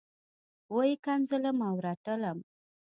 وه یې ښکنځلم او رټلم.